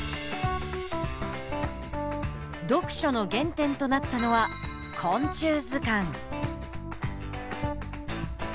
読書の原点となったのは昆虫図鑑。